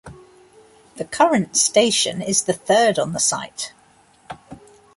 The current station is the third on the site.